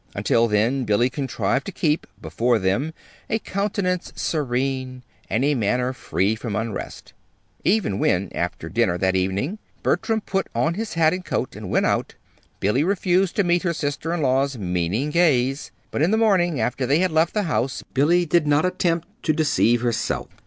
Until then Billy contrived to keep, before them, a countenance serene, and a manner free from unrest. Even when, after dinner that evening, Bertram put on his hat and coat and went out, Billy refused to meet her sister in law's meaning gaze. But in the morning, after they had left the house, Billy did not attempt to deceive herself.